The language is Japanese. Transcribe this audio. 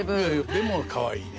でもかわいいね。